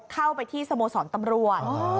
เข้าไปที่สโมสรตำรวจ